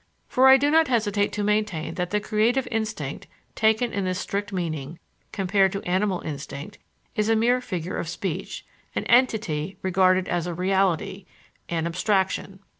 For I do not hesitate to maintain that the creative instinct, taken in this strict meaning, compared to animal instinct, is a mere figure of speech, an "entity" regarded as a reality, an abstraction.